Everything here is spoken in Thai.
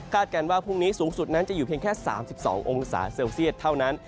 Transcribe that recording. การว่าพรุ่งนี้สูงสุดนั้นจะอยู่เพียงแค่๓๒องศาเซลเซียตเท่านั้น